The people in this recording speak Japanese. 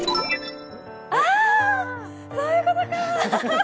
ああ、そういうことか。